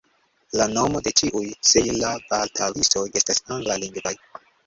La nomoj de ĉiuj Sejla-batalistoj estas angla-lingvaj.